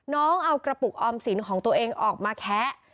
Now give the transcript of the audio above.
น้องเอากระปุกออมสินของตัวเองออกมาแคะ